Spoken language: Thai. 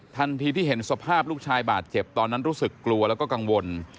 ทันทีที่เห็นสภาพลูกชายบาดเจ็บตอนนั้นรู้สึกกลัวแล้วก็กังวล